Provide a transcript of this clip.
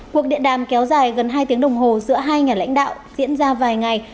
cuộc điện đàm kéo dài gần hai tiếng đồng hồ giữa hai nhà lãnh đạo diễn ra vài ngày